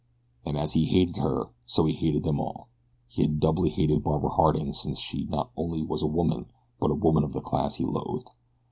And as he hated her, so he hated them all. He had doubly hated Barbara Harding since she not only was a woman, but a woman of the class he loathed.